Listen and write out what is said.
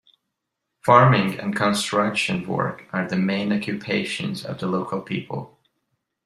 Farming and construction work are the main occupations of the local people.